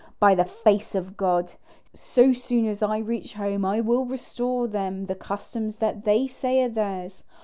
By the face of God! so soon as I reach home I will restore to them the customs that they say are theirs.